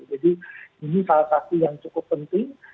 jadi ini salah satu yang cukup penting